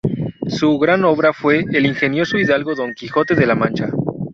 Su gran obra fue "El ingenioso hidalgo Don Quijote de la Mancha.